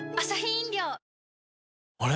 あれ？